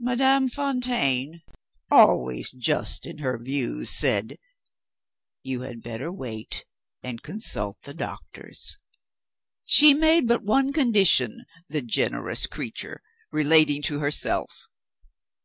Madame Fontaine, always just in her views, said, 'You had better wait and consult the doctors.' She made but one condition (the generous creature!) relating to herself.